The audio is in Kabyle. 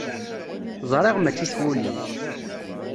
Ẓriɣ mačči s wul-im.